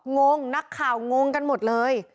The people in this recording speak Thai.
งงนักข่าวงงกันหมดเลย